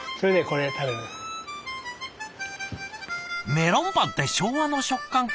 メロンパンって「昭和の食感」か。